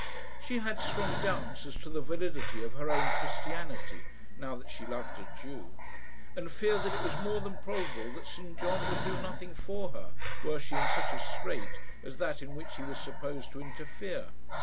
She had strong doubts as to the validity of her own Christianity, now that she loved a Jew; and feared that it was more than probable that St John would do nothing for her, were she in such a strait as that in which he was supposed to interfere.